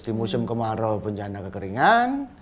di musim kemarau bencana kekeringan